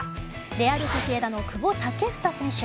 レアル・ソシエダの久保建英選手。